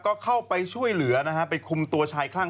ก็เข้าไปช่วยเหลือนะฮะไปคุมตัวชายคลั่ง